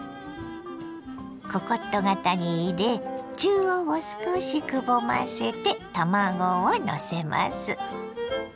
ココット型に入れ中央を少しくぼませて卵をのせます。